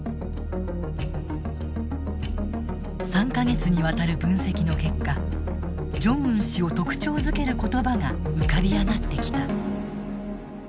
３か月にわたる分析の結果ジョンウン氏を特徴づける言葉が浮かび上がってきた。